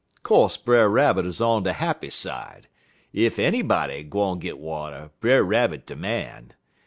"Co'se Brer Rabbit 'uz on de happy side. Ef anybody gwine git water Brer Rabbit de man.